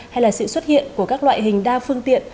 hay là sự xuất hiện của các loại hình đa phương tiện